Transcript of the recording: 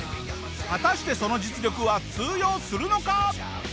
果たしてその実力は通用するのか？